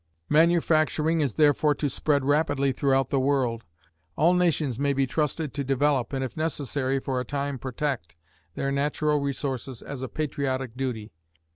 Manufacturing is therefore to spread rapidly throughout the world. All nations may be trusted to develop, and if necessary for a time protect, their natural resources as a patriotic duty.